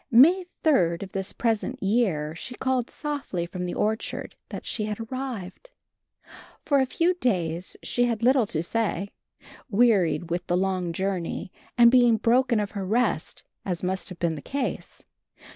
May 3d of this present year she called softly from the orchard that she had arrived. For a few days she had little to say, wearied with the long journey and being broken of her rest, as must have been the case.